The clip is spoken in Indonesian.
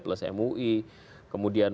plus mui kemudian